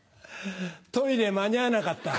トイレ間に合わなかった。